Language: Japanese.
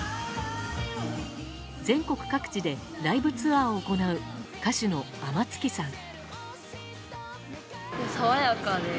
全国各地でライブツアーを行う歌手の天月さん。